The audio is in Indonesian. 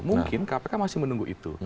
mungkin kpk masih menunggu itu